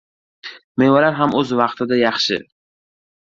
• Mevalar ham o‘z vaqtida yaxshi.